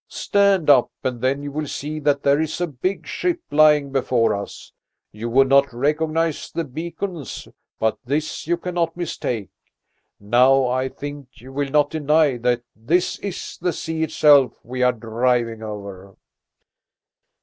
Stand up, and then you will see that there is a big ship lying before us! You would not recognize the beacons, but this you cannot mistake. Now I think you will not deny that this is the sea itself we are driving over."